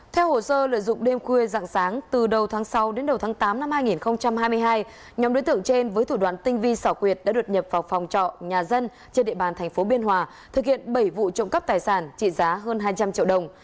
theo hồ sơ lợi dụng đêm khuya dạng sáng từ đầu tháng sáu đến đầu tháng tám năm hai nghìn hai mươi hai nhóm đối tượng trên với thủ đoạn tinh vi xảo quyệt đã đột nhập vào phòng trọ nhà dân trên địa bàn thành phố biên hòa thực hiện bảy vụ trộm cắp tài sản trị giá hơn hai trăm linh triệu đồng